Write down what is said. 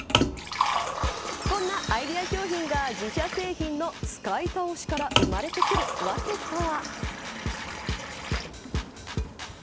こんなアイデア商品が自社製品の使い倒しから生まれてくるわけとは。